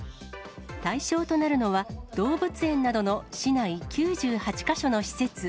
対象となるのは、動物園などの市内９８か所の施設。